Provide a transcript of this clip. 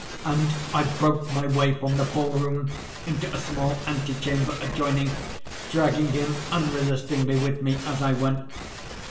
—and I broke my way from the ball room into a small ante chamber adjoining, dragging him unresistingly with me as I went.